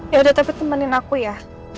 yaudah tapi temenin aku ya